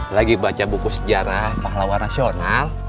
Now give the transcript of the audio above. lagi baca buku sejarah pahlawan nasional